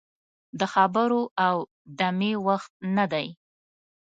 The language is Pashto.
د خبرو او دمې وخت نه دی.